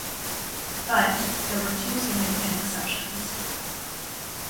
But, there were two significant exceptions.